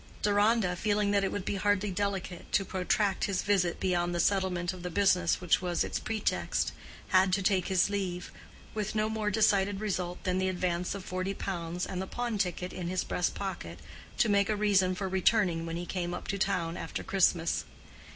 Deronda, feeling that it would be hardly delicate to protract his visit beyond the settlement of the business which was its pretext, had to take his leave, with no more decided result than the advance of forty pounds and the pawn ticket in his breast pocket, to make a reason for returning when he came up to town after Christmas.